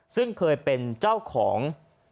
ซึ่งเคยเป็นเจ้าของ